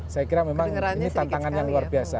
saya kira memang ini tantangan yang luar biasa